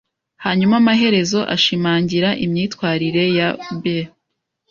hanyuma amaherezo ashimangira imyitwarire ya B,